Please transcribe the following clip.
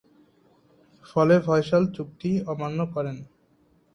ফলে ফয়সাল চুক্তি অমান্য করেন।